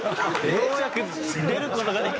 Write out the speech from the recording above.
ようやく出る事ができた。